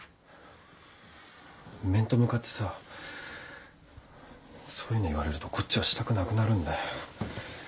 面と向かってさそういうの言われるとこっちはしたくなくなるんだよ。